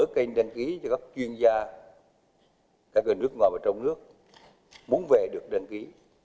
kênh đăng ký cho các chuyên gia các nước ngoài và trong nước muốn về được đăng ký